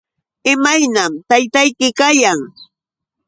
¿Imaynaćh taytayki kayan?